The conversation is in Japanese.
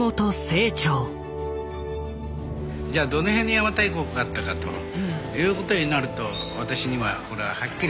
じゃあどの辺に邪馬台国があったかということになると私にはこれははっきり分からない。